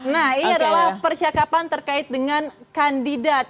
nah ini adalah percakapan terkait dengan kandidat